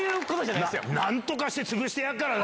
なんとかして潰してやるからな。